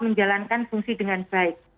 menjalankan fungsi dengan baik